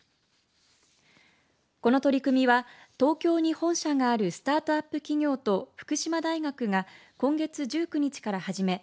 この取り組みは東京に本社があるスタートアップ企業と福島大学が今月１９日から始め